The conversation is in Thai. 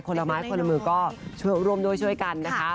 คนละม้ายคนละมือก็รวมโดยช่วยกันนะคะ